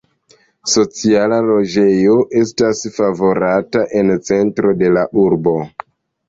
Sociala loĝejo estas favorata en centro de la urbo.